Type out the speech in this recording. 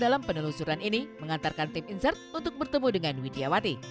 dalam penelusuran ini mengantarkan tim insert untuk bertemu dengan widiawati